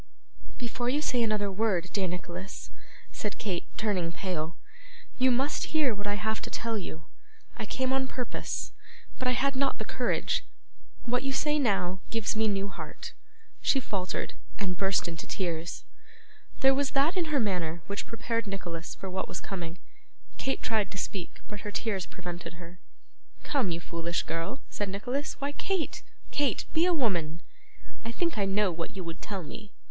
'Before you say another word, dear Nicholas,' said Kate, turning pale, 'you must hear what I have to tell you. I came on purpose, but I had not the courage. What you say now, gives me new heart.' She faltered, and burst into tears. There was that in her manner which prepared Nicholas for what was coming. Kate tried to speak, but her tears prevented her. 'Come, you foolish girl,' said Nicholas; 'why, Kate, Kate, be a woman! I think I know what you would tell me.